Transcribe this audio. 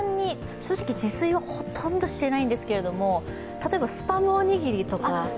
正直自炊はほとんどしていないんですけども、例えばスパムおにぎりとか。